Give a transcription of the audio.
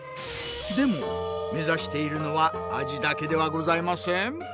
でも目指しているのは味だけではございません！